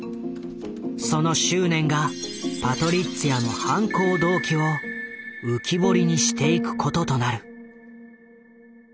その執念がパトリッツィアの犯行動機を浮き彫りにしていくこととなる。